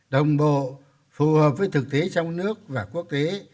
đồng bộ phù hợp với thực tế trong nước và quốc tế